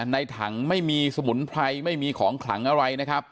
ในถังไม่มีสมุนไพรไม่มีของขลังอะไรนะครับ